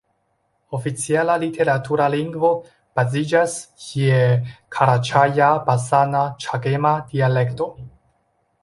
Oficiala literatura lingvo baziĝas je karaĉaja-basana-ĉegema dialekto.